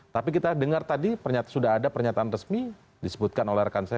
tapi kita dengar tadi sudah ada pernyataan resmi disebutkan oleh rekan saya